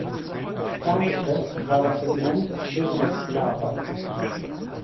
Kerngeschäft war das Segment Business-Charter.